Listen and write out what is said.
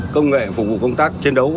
công nghệ phục vụ công tác chiến đấu